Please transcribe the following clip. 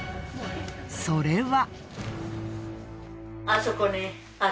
それは。